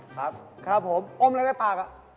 ครับครับผมอมอะไรในปาก